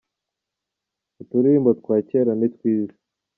Uturirimbo twa kera ni twiza.